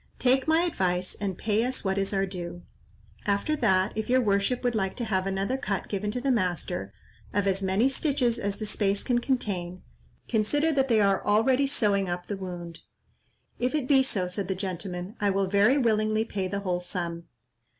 Take my advice and pay us what is our due. After that, if your worship would like to have another cut given to the master, of as many stitches as the space can contain, consider that they are already sewing up the wound." "If it be so," said the gentleman, "I will very willingly pay the whole sum."